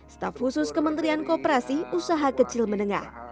staf khusus kementerian kooperasi usaha kecil menengah